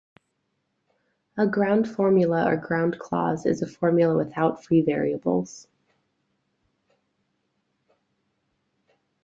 A ground formula or ground clause is a formula without free variables.